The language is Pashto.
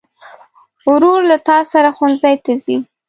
ورور له تا سره ښوونځي ته ځي.